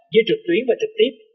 giữa trực tuyến và trực tiếp